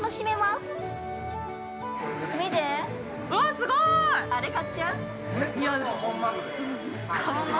すごーい。